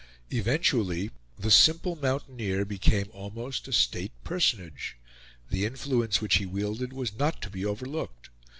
Eventually, the "simple mountaineer" became almost a state personage. The influence which he wielded was not to be overlooked.